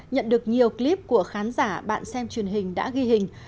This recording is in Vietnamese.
nhận được nhiều clip của khán giả bạn xem truyền hình đã ghi hình